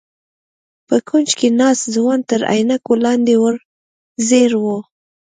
په کونج کې ناست ځوان تر عينکو لاندې ور ځير و.